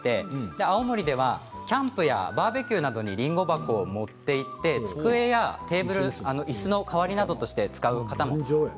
青森ではキャンプやバーベキューにりんご箱を持って行ってテーブルやいすの代わりに使う人も。